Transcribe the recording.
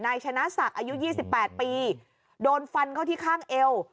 ชนะศักดิ์อายุ๒๘ปีโดนฟันเข้าที่ข้างเอว